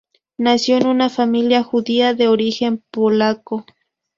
Nació en una familia judía de origen polaco.